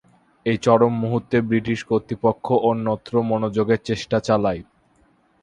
এই চরম মুহুর্তে ব্রিটিশ কর্তৃপক্ষ অন্যত্র মনোযোগের চেষ্টা চালায়।